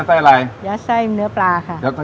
อ่าลาวาทะเลแซ่บค่ะ